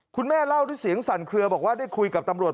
คุณแม่เล่าด้วยเสียงสั่นเคลือบอกว่าได้คุยกับตำรวจ